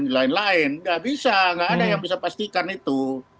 tidak bisa tidak ada yang bisa pastikan itu